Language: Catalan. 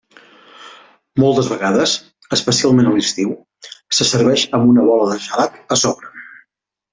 Moltes vegades, especialment a l'estiu, se serveix amb una bola de gelat a sobre.